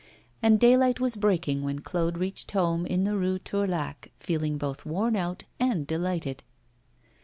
And daylight was breaking when Claude reached home in the Rue Tourlaque, feeling both worn out and delighted.